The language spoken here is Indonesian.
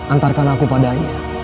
antarkan aku padanya